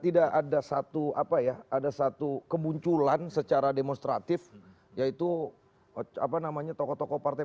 tidak ada satu kemunculan secara demonstratif yaitu tokoh tokoh partai